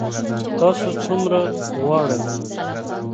تاسو څومره غواړئ؟